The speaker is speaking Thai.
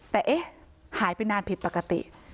แต่เอ๊ะหายไปนานผิดปกติ